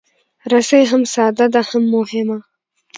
رسۍ هم ساده ده، هم مهمه.